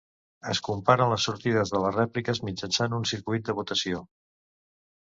Es comparen les sortides de les rèpliques mitjançant un circuit de votació.